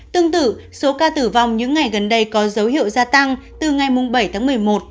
tương tự số ca tử vong những ngày gần đây có dấu hiệu gia tăng từ ngày bảy tháng một mươi một